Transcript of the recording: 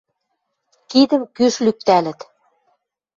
Кидӹм кӱш лӱктӓлӹт